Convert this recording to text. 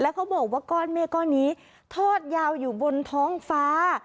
เขาบอกว่าก้อนเมฆก้อนนี้ทอดยาวอยู่บนท้องฟ้า